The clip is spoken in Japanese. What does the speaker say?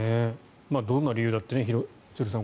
どんな理由だって廣津留さん